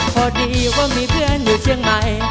พอดีว่ามีเพื่อนอยู่เชียงใหม่